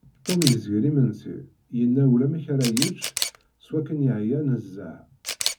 Tom yezgel imensi, yenna ulamek ara yečč seg akken yeεya nezzeh.